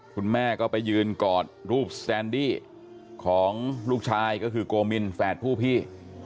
คุณแม่ก็ไปยืนกอดรูปสแตนดี้ของลูกชายก็คือโกมินแฝดผู้พี่